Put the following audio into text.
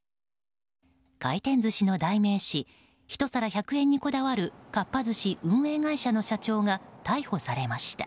回転寿司の代名詞１皿１００円にこだわるかっぱ寿司運営会社の社長が逮捕されました。